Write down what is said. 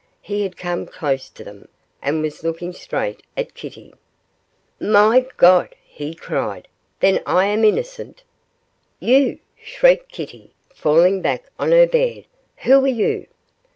He had come close to them, and was looking straight at Kitty. 'My God!' he cried; 'then I am innocent?' 'You!' shrieked Kitty, falling back on her bed; 'who are you?